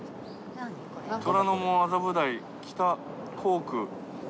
虎ノ門麻布台北工区。